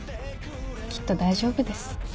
きっと大丈夫です。